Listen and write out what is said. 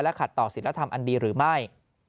ขัดต่อศิลธรรมอันดีหรือไม่